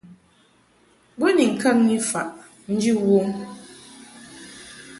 Bo ni ŋkaŋki faʼ nji wom.